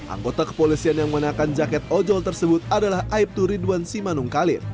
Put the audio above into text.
anggota kepolisian yang menggunakan jaket ojol tersebut adalah aibtu ridwan simanungkalir